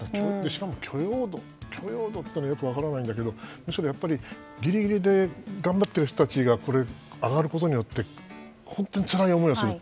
しかも許容度というのはよく分からないんだけど、むしろギリギリで頑張っている人たちが上がることによって本当につらい思いをする。